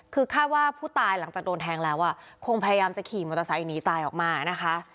คือคาดว่าผู้ตายหลังจากโดนแทงแล้วคงพยายามจะขี่มอเตอร์ไซค์หนีตายออกมานะคะ